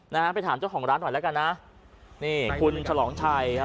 นะฮะไปถามเจ้าของร้านหน่อยแล้วกันนะนี่คุณฉลองชัยครับ